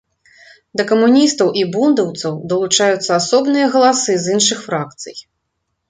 Да камуністаў і бундаўцаў далучаюцца асобныя галасы з іншых фракцый.